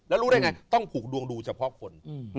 แล้วรู้ได้ไงต้องผูกดวงดูเฉพาะคน